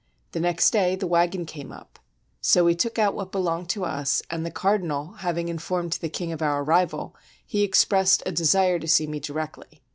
The next day the wagon came up, so we took out what belonged to us, and the cardinal having informed the king of our arrival, he expressed a desire to see me directly.